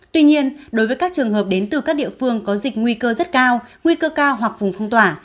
tuy nhiên đối với các trường hợp đến từ các địa phương có dịch nguy cơ rất cao nguy cơ cao hoặc vùng phong tỏa